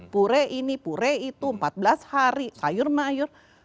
puree ini puree itu empat belas hari sayur mayur